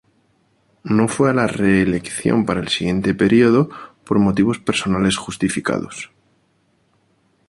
No fue a la reelección para el siguiente período, por motivos personales justificados.